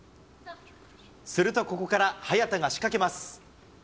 するとここから早田が仕掛けます。